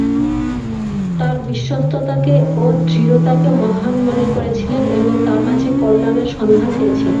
তার বিশ্বস্ততাকে ও দৃঢ়তাকে মহান মনে করেছিলেন এবং তার মাঝে কল্যাণের সন্ধান পেয়েছিলেন।